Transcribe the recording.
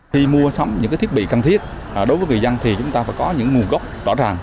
khi mua sắm những thiết bị cần thiết đối với người dân thì chúng ta phải có những nguồn gốc rõ ràng